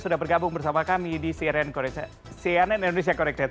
sudah bergabung bersama kami di cnn indonesia connected